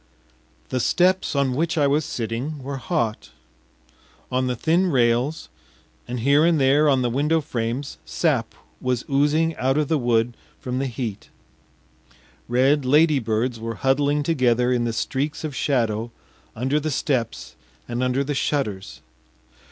The steps on which I was sitting were hot; on the thin rails and here and there on the window frames sap was oozing out of the wood from the heat; red ladybirds were huddling together in the streaks of shadow under the steps and under the shutters.